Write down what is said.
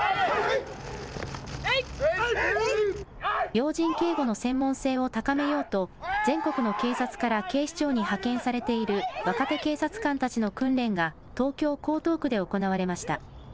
要人警護の専門性を高めようと、全国の警察から警視庁に派遣されている若手警察官たちの訓練が東京・江東区で行われました。